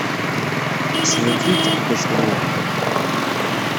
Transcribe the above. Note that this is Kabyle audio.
Tḥesbemt-iyi d taqeddact-nwent?